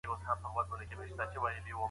د تحميلي نظرونو څخه ډډه وکړئ.